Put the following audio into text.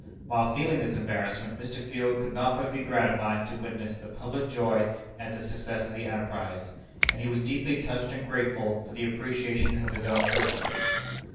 While feeling this embarrassment, Mr. Field could not but be gratified to witness the public joy at the success of the enterprise, and he was deeply touched and grateful for the appreciation of his own services.